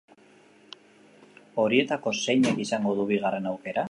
Horietako zeinek izango du bigarren aukera?